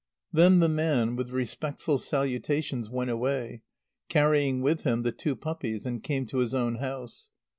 Then the man, with respectful salutations, went away, carrying with him the two puppies, and came to his own house.